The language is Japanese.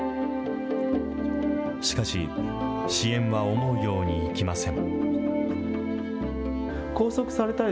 しかし、支援は思うようにいきません。